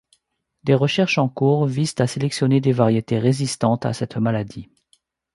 Des recherches en cours visent à sélectionner des variétés résistantes à cette maladie.